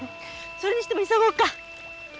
それにしても急ごうか。